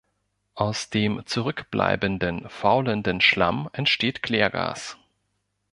Aus dem zurückbleibenden, faulenden Schlamm entsteht Klärgas.